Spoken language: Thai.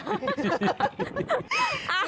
ใช่